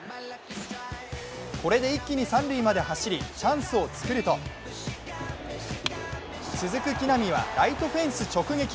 これで一気に三塁まで走り、チャンスを作ると続く木浪はライトフェンス直撃！